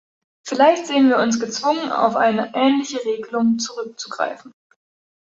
Vielleicht sehen wir uns gezwungen, auf eine ähnliche Regelung zurückzugreifen.